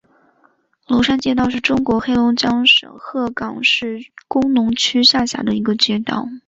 龙山街道是中国黑龙江省鹤岗市工农区下辖的一个街道。